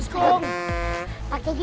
maka dia udah kembali